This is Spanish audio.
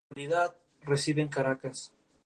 En la actualidad, reside en Caracas.